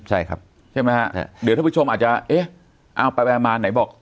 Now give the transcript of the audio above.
ใช่ครับใช่ไหมฮะเดี๋ยวท่านผู้ชมอาจจะเอ๊ะเอาไปมาไหนบอก